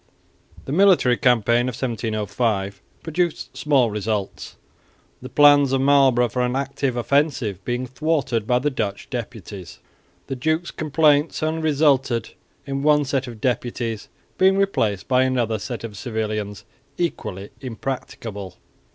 The military campaign of 1705 produced small results, the plans of Marlborough for an active offensive being thwarted by the Dutch deputies. The duke's complaints only resulted in one set of deputies being replaced by another set of civilians equally impracticable.